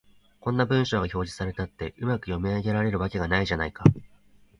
こんな文章が表示されたって、うまく読み上げられるわけがないじゃないか